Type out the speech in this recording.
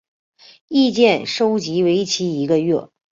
意见收集为期一个月。